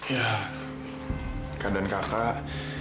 ya keadaan kakak